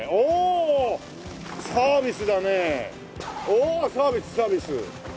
おおサービスサービス！